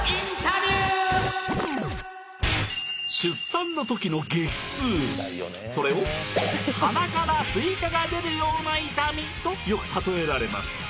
出産の時の激痛それをが出るような痛みとよくたとえられます